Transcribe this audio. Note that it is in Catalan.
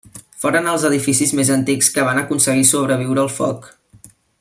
Foren els edificis més antics que van aconseguir sobreviure al foc.